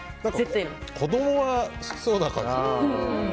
子供は好きそうな感じ。